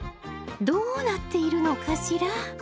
どうなっているのかしら！